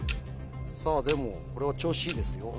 さぁでもこれは調子いいですよ。